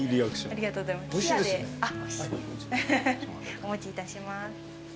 お持ちいたします。